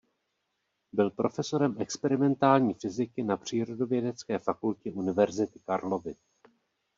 Byl profesorem experimentální fyziky na Přírodovědecké fakultě Univerzity Karlovy.